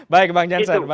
baik bang jansen